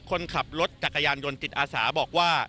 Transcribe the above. คนขับรถจักรยานยนต์จิตอาสาบอกว่า